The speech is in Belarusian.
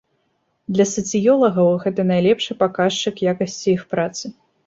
Для сацыёлагаў гэта найлепшы паказчык якасці іх працы.